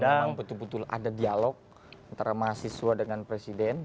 dan memang betul betul ada dialog antara mahasiswa dengan presiden